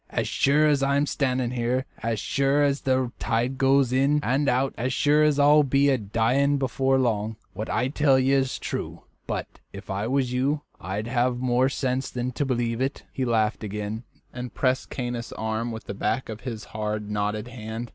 "As sure as I am standing here, as sure as the tide goes in and out, as sure as I'll be a dying before long, what I tell you is true; but if I was you, I'd have more sense than to believe it." He laughed again, and pressed Caius' arm with the back of his hard, knotted hand.